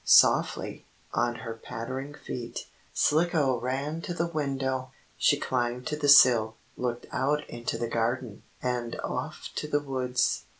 Softly, on her pattering feet, Slicko ran to the window. She climbed to the sill, looked out into the garden, and off to the woods.